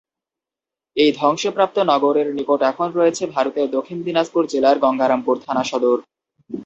এই ধ্বংসপ্রাপ্ত নগরীর নিকট এখন রয়েছে ভারতের দক্ষিণ দিনাজপুর জেলার গঙ্গারামপুর থানা সদর।